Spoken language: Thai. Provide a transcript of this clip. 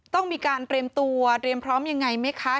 ต้องมีการเตรียมตัวเตรียมพร้อมยังไงไหมคะ